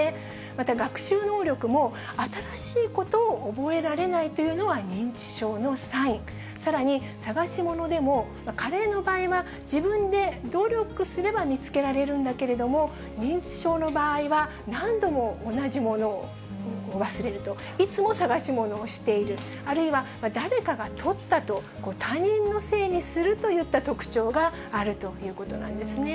また、学習能力も、新しいことを覚えられないというのは認知症のサイン、さらに、探し物でも、加齢の場合は、自分で努力すれば見つけられるんだけれども、認知症の場合は、何度も同じものを忘れると、いつも探し物をしている、あるいは誰かがとったと、他人のせいにするといった特徴があるということなんですね。